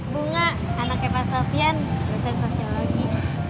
bunga anaknya pak sofyan bersen sosiologi